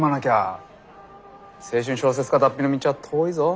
青春小説家脱皮の道は遠いぞ。